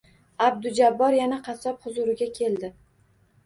Abdujabbor yana qassob huzuriga keldi